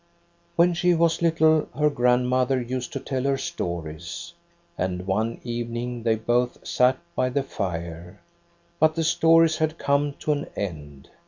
"When she was little her grandmother used to tell her stories ; and one evening they both sat by the fire; but the stories had come to an end.